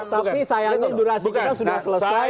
tapi sayangnya durasi kita sudah selesai